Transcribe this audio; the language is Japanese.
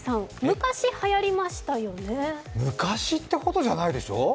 昔ってほどじゃないでしょう。